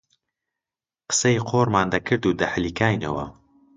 قسەی قۆڕمان دەکرد و دەحیلکاینەوە